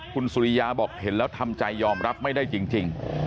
คุณสุริยาบอกเห็นแล้วทำใจยอมรับไม่ได้จริง